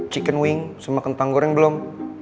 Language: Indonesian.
chicken wing sama kentang goreng belum